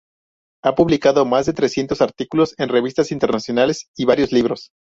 Ha publicado más de trescientos artículos en revistas internacionales y varios libros.